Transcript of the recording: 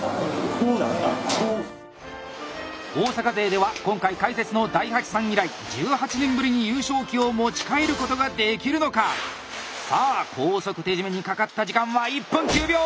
大阪勢では今回解説の大八さん以来１８年ぶりに優勝旗を持ち帰ることができるのか⁉さあ高速手締めにかかった時間は１分９秒！